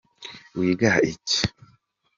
Wiga ibiki?